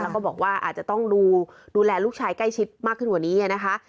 แล้วก็บอกว่าอาจจะต้องดูแลลูกชายใกล้ชิดมากขึ้นกว่านี้นะคะ